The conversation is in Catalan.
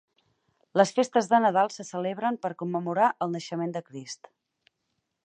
Les festes de Nadal se celebren per commemorar el naixement de Crist.